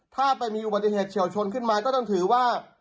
ถ้าไปมีอุบัติเหตุเฉียวชนขึ้นมาก็ต้องถือว่า